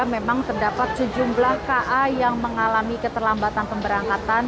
memang terdapat sejumlah ka yang mengalami keterlambatan pemberangkatan